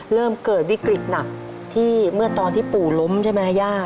เริ่มเกิดวิกฤตหนักที่เมื่อตอนที่ปู่ล้มใช่ไหมครับย่า